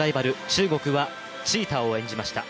中国はチーターを演じました。